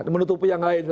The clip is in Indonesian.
menutupi yang lain